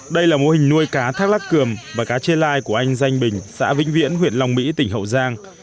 đây là mô hình nuôi cá thác lác cường và cá chê lai của anh danh bình xã vĩnh viễn huyện long mỹ tỉnh hậu giang